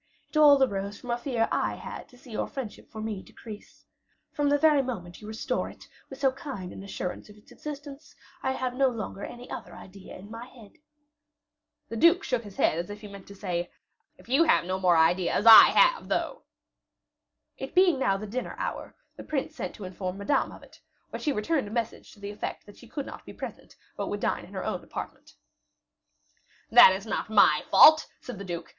It all arose from a fear I had to see your friendship for me decrease. From the very moment you restore it, with so kind an assurance of its existence, I have no longer any other idea in my head." The duke shook his head as if he meant to say: "If you have no more ideas, I have, though." It being now the dinner hour, the prince sent to inform Madame of it; but she returned a message to the effect that she could not be present, but would dine in her own apartment. "That is not my fault," said the duke.